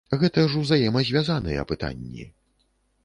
Гэта ж узаемазвязаныя пытанні.